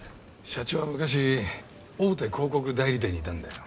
社長は昔大手広告代理店にいたんだよ